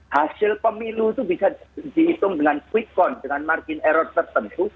hasil pemilu itu bisa dihitung dengan quick count dengan margin error tertentu